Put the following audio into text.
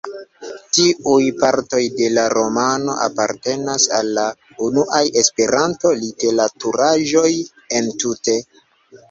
Tiuj partoj de la romano apartenas al la unuaj Esperanto-literaturaĵoj entute.